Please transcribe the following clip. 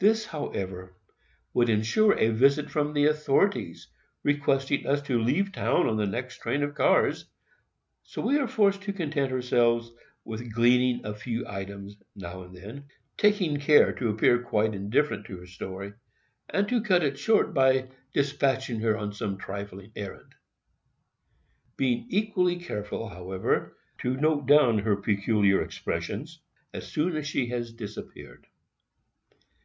This, however, would insure a visit from the authorities, requesting us to leave town in the next train of cars; so we are forced to content ourselves with gleaning a few items, now and then, taking care to appear quite indifferent to her story, and to cut it short by despatching her on some trifling errand;—being equally careful, however, to note down her peculiar expressions, as soon as she has disappeared.